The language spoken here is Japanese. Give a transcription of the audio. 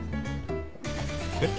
えっ？